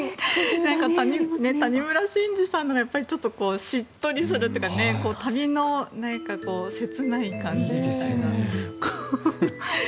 谷村新司さんのはちょっとしっとりするというか旅の何か切ない感じというか。